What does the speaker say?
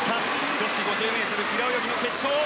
女子５０ｍ平泳ぎの決勝。